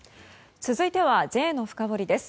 続いてはＪのフカボリです。